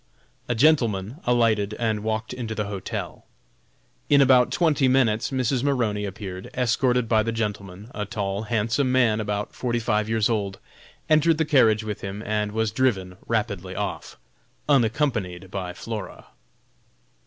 A gentleman alighted and walked into the hotel. In about twenty minutes Mrs. Maroney appeared escorted by the gentleman a tall, handsome man, about forty five years old entered the carriage with him and was driven rapidly off, unaccompanied by Flora.